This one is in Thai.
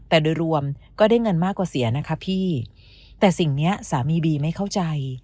แต่โดยรวมก็ได้เงินมากกว่าเสียนะคะพี่แต่สิ่งเนี้ยสามีบีไม่เข้าใจ